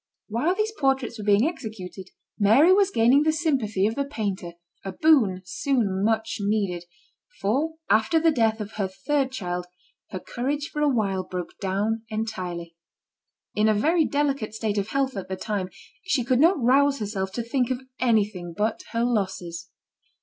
While these portraits were being executed Mary was gaining the sympathy of the painter, a boon soon much needed, for after the death of her third child her courage for a while broke down entirely. In a very delicate state of health at the time, she could not rouse herself to think of anything but her losses.